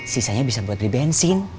sisanya bisa buat di bensin